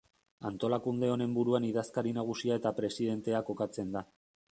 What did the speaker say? Antolakunde honen buruan idazkari nagusia eta presidentea kokatzen da.